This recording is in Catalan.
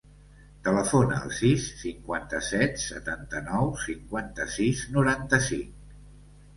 Telefona al sis, cinquanta-set, setanta-nou, cinquanta-sis, noranta-cinc.